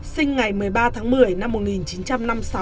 sinh ngày một mươi ba tháng một mươi năm một nghìn chín trăm năm mươi sáu